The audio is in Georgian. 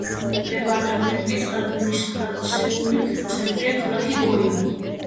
დეპარტამენტის ადმინისტრაციული ცენტრია ქალაქი გოია.